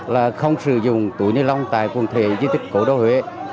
là không sử dụng túi ni lông tại quần thể di tích cổ đô huế